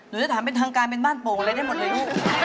จะถามเป็นทางการเป็นบ้านโป่งอะไรได้หมดเลยลูก